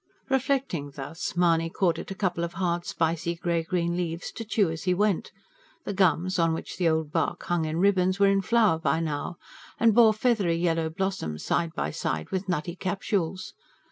Reflecting thus, Mahony caught at a couple of hard, spicy, grey green leaves, to chew as he went: the gums, on which the old bark hung in ribbons, were in flower by now, and bore feathery yellow blossoms side by side with nutty capsules.